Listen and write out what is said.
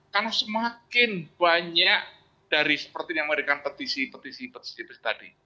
karena semakin banyak dari seperti yang dikatakan petisi petisi petisi tadi